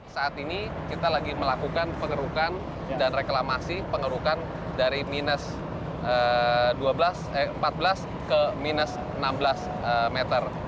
saat ini kita lagi melakukan pengerukan dan reklamasi pengerukan dari minus empat belas ke minus enam belas meter